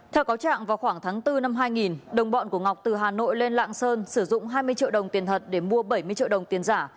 theo cáo trạng vào khoảng tháng bốn năm hai nghìn đồng bọn của ngọc từ hà nội lên lạng sơn sử dụng hai mươi triệu đồng tiền thật để mua bảy mươi triệu đồng tiền giả